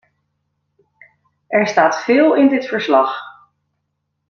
Er staat veel in dit verslag.